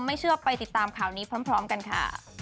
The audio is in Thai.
ไม่เชื่อไปติดตามข่าวนี้พร้อมกันค่ะ